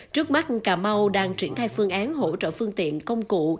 trước mắt cà mau đang triển thai phương án hỗ trợ phương tiện công cụ